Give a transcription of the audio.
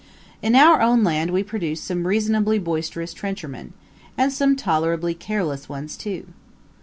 In our own land we produce some reasonably boisterous trenchermen, and some tolerably careless ones too.